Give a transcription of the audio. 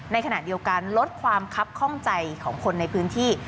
ในขณะเดียวกันลดความคับข้องใจของคนในพื้นที่